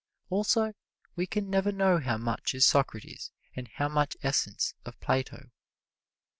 Also, we can never know how much is Socrates and how much essence of Plato.